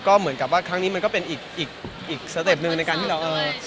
ก็เหมือนกับว่าครั้งนี้มันก็เป็นอีกสเต็ปหนึ่งในการที่เราเออ